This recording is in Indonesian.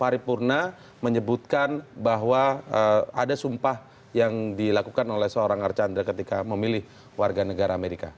paripurna menyebutkan bahwa ada sumpah yang dilakukan oleh seorang archandra ketika memilih warga negara amerika